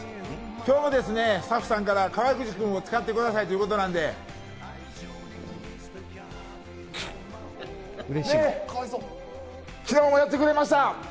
今日もスタッフさんから川口くんを使ってくださいということなので、昨日もやってくれました。